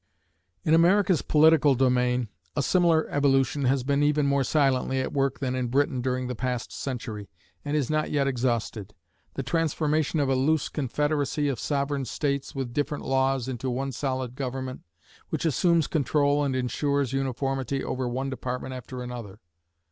In America's political domain, a similar evolution has been even more silently at work than in Britain during the past century, and is not yet exhausted the transformation of a loose confederacy of sovereign states, with different laws, into one solid government, which assumes control and insures uniformity over one department after another.